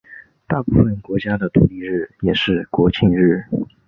大部分国家的独立日也是国庆日。